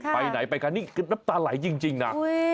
ไปไหนไปกันนี่คือน้ำตาไหลจริงนะ